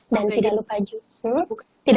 dan tidak lupa juga